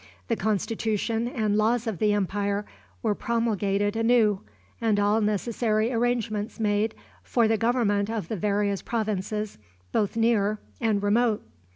The constitution and laws of the empire were promulgated anew, and all necessary arrangements made for the government of the various provinces both near and remote.